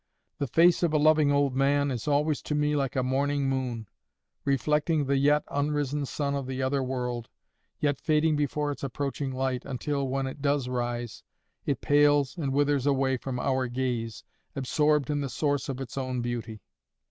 The face of a loving old man is always to me like a morning moon, reflecting the yet unrisen sun of the other world, yet fading before its approaching light, until, when it does rise, it pales and withers away from our gaze, absorbed in the source of its own beauty.